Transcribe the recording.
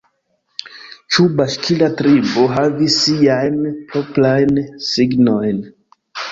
Ĉiu baŝkira tribo havis siajn proprajn signojn.